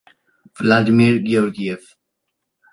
Vladimir Georgiev